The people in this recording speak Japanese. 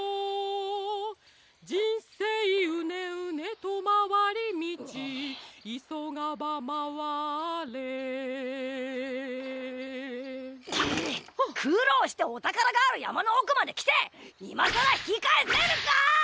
「じんせいうねうねとまわりみち」「いそがばまわれ」くろうしておたからがあるやまのおくまできていまさらひきかえせるか！